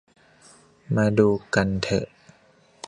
มาดูกันเถอะ